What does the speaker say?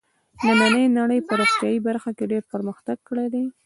نننۍ نړۍ په روغتیايي برخه کې ډېر پرمختګ کړی دی.